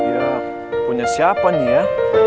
ya punya siapanya ya